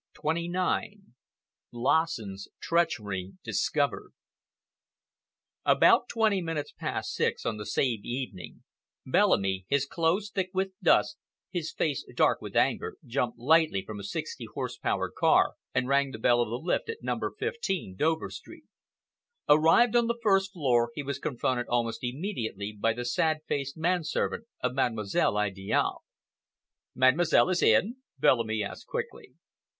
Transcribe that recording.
CHAPTER XXIX LASSEN'S TREACHERY DISCOVERED About twenty minutes past six on the same evening, Bellamy, his clothes thick with dust, his face dark with anger, jumped lightly from a sixty horse power car and rang the bell of the lift at number 15, Dover Street. Arrived on the first floor, he was confronted almost immediately by the sad faced man servant of Mademoiselle Idiale. "Mademoiselle is in?" Bellamy asked quickly.